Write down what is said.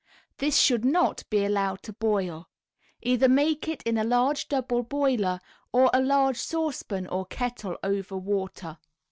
This should not be allowed to boil. Either make it in a large double boiler, or a large saucepan or kettle over water.